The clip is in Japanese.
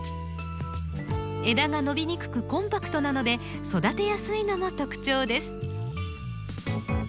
枝が伸びにくくコンパクトなので育てやすいのも特徴です。